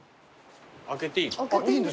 開けていい。